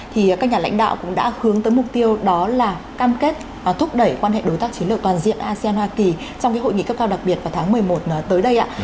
thì các nhà lãnh đạo cũng đã hướng tới mục tiêu đó là cam kết thúc đẩy quan hệ đối tác chiến lược toàn diện asean hoa kỳ trong hội nghị cấp cao đặc biệt vào tháng một mươi một tới đây ạ